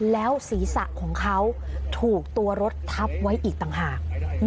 แล้วศีรษะของเขาถูกตัวรถทับไว้อีกต่างหาก